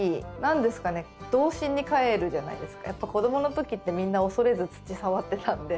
やっぱ子どものときってみんな恐れず土触ってたんで。